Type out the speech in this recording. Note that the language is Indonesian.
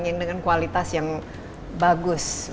yang dengan kualitas yang bagus